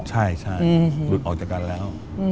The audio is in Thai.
ใช่หลุดออกจากกันแล้ว